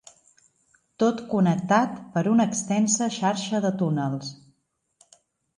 Tot connectat per una extensa xarxa de túnels.